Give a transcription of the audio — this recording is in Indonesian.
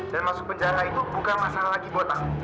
dan masuk penjara itu bukan masalah lagi buat aku